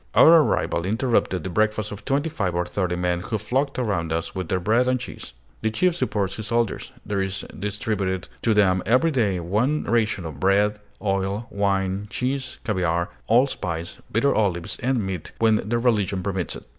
Our arrival interrupted the breakfast of twenty five or thirty men, who flocked around us with their bread and cheese. The chief supports his soldiers; there is distributed to them every day one ration of bread, oil, wine, cheese, caviare, allspice, bitter olives, and meat when their religion permits it.